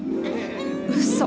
うそ！